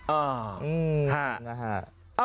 เอามาดูทำอะไรนะครับ